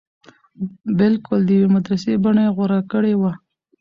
بلکل د يوې مدرسې بنه يې غوره کړې وه.